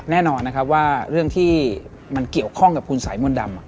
แน่นอนว่าเรื่องที่มันเกี่ยวข้องกับภูมิสายมนต์ดำ